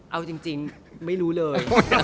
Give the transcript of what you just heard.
เอาจริงไม่รู้เลย